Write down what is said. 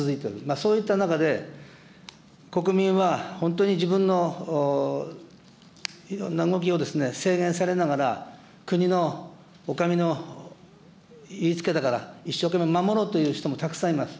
そういった中で、国民は本当に自分のいろんな動きを制限されながら、国の、お上の言いつけだから、一生懸命守ろうという人もたくさんいます。